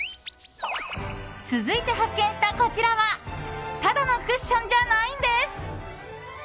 続いて発見したこちらはただのクッションじゃないんです。